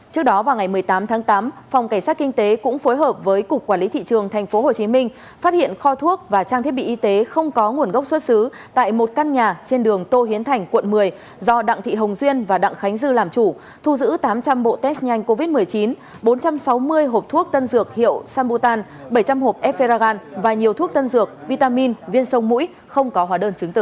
trước đó vào ngày một mươi tám tháng tám phòng cảnh sát kinh tế cũng phối hợp với cục quản lý thị trường tp hcm phát hiện kho thuốc và trang thiết bị y tế không có nguồn gốc xuất xứ tại một căn nhà trên đường tô hiến thành quận một mươi do đặng thị hồng duyên và đặng khánh dư làm chủ thu giữ tám trăm linh bộ test nhanh covid một mươi chín bốn trăm sáu mươi hộp thuốc tân dược hiệu sambutan bảy trăm linh hộp eferagan và nhiều thuốc tân dược vitamin viên sông mũi không có hóa đơn chứng tử